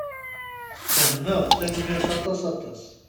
Fehmeɣ. Tanemmirt aṭas aṭas.